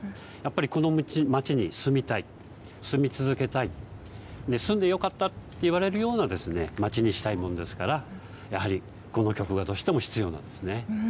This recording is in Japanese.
この街に住みたい、住み続けたい、住んでよかったと言われるような街にしたいものですからこの局が必要なんです。